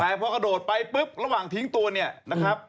แต่พอกระโดดไปปุ๊บระหว่างทิ้งตัวเนี่ยนะครับ